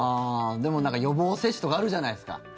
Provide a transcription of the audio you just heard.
でも、予防接種とかあるじゃないですか。